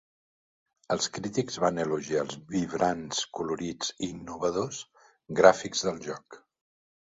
Els crítics van elogiar els vibrants, colorits i "innovadors" gràfics del joc.